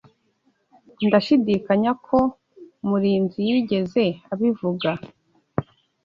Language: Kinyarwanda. Ndashidikanya ko Murinzi yigeze abivuga.